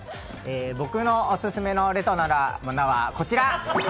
僕のオススメのレトロなものはこちら！